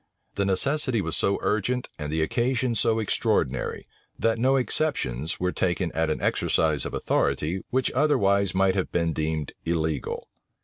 The necessity was so urgent, and the occasion so extraordinary that no exceptions were taken at an exercise of authority which otherwise might have been deemed illegal.